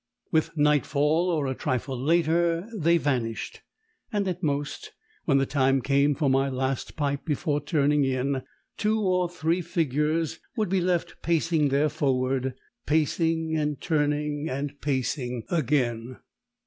With nightfall or a trifle later they vanished; and at most, when the time came for my last pipe before turning in, two or three figures would be left pacing there forward, pacing and turning and pacing again.